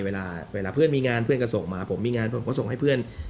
เวลาเพื่อนมีงานเพื่อนก็ส่งมาผมมีงานผมก็ส่งให้เพื่อน